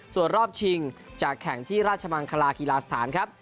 ส่วนรอบชิงจะแข่งที่ราชมังคลากีฬาสถานครับ